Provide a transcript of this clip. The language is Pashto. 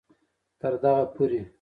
تر دغه پورې